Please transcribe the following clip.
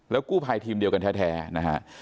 กู้ภัยทีมเดียวกันแท้นะฮะ